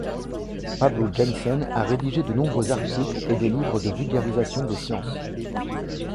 Pablo Jensen a rédigé de nombreux articles et des livres de vulgarisation des sciences.